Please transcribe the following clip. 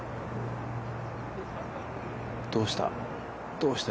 どうした？